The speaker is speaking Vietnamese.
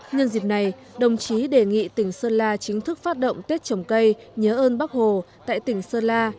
nhân dịp này đồng chí đề nghị tỉnh sơn la chính thức phát động tết trồng cây nhớ ơn bác hồ tại tỉnh sơn la